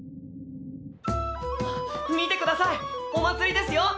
見てくださいお祭りですよ！